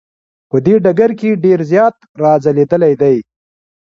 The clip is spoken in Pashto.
په دې ډګر کې ډیر زیات را ځلیدلی دی.